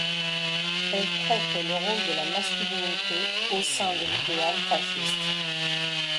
Elle traite le rôle de la masculinité au sein de l'idéal fasciste.